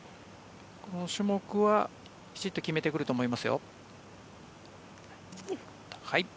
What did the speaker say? この種目はきちんと決めてくると思います。